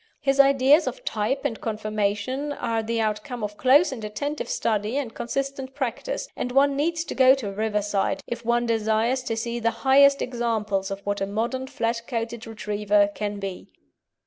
His ideas of type and conformation are the outcome of close and attentive study and consistent practice, and one needs to go to Riverside if one desires to see the highest examples of what a modern flat coated Retriever can be.